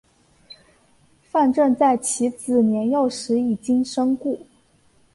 范正在其子年幼时已经身故。